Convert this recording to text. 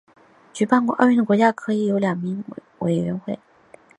举办过奥运会的国家可以有两名委员。